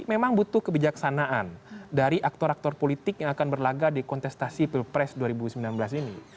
memang butuh kebijaksanaan dari aktor aktor politik yang akan berlagak di kontestasi pilpres dua ribu sembilan belas ini